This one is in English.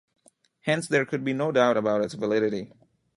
Hence there could be no doubt about its validity.